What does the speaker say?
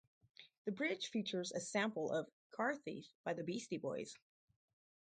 The bridge features a sample of "Car Thief" by the Beastie Boys.